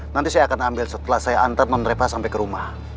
nanti saya akan ambil setelah saya antar non repa sampai ke rumah